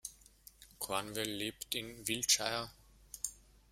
Cornwell lebt in Wiltshire.